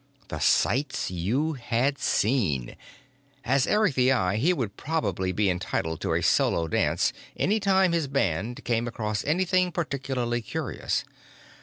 The sights you had seen! As Eric the Eye, he would probably be entitled to a solo dance any time his band came across anything particularly curious.